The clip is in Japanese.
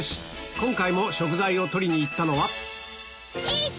今回も食材を取りに行ったのはイチ！